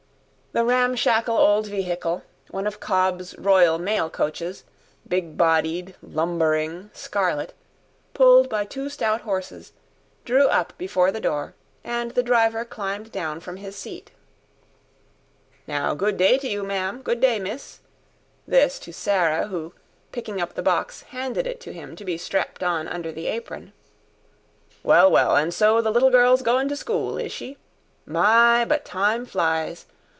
The ramshackle old vehicle, one of Cobb's Royal Mail Coaches, big bodied, lumbering, scarlet, pulled by two stout horses, drew up before the door, and the driver climbed down from his seat. "Now good day to you, ma'am, good day, miss" this to Sarah who, picking up the box, handed it to him to be strapped on under the apron. "Well, well, and so the little girl's goin' to school, is she? My, but time flies!